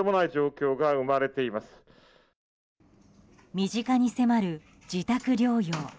身近に迫る自宅療養。